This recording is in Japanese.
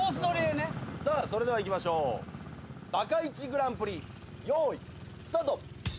さあそれではいきましょうバカ−１グランプリよーいスタート。